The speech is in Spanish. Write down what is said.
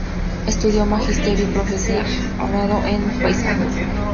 Estudió magisterio y profesorado en Paysandú.